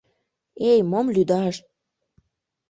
— Эй, мом лӱдаш!